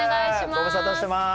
ご無沙汰してます。